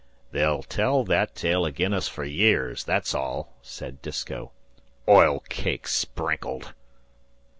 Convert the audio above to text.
"They'll tell that tale agin us fer years that's all," said Disko. "Oil cake sprinkled!"